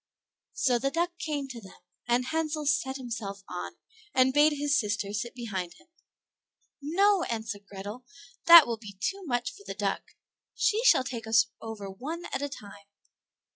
So the duck came to them, and Hansel sat himself on, and bade his sister sit behind him. "No," answered Grethel, "that will be too much for the duck, she shall take us over one at a time."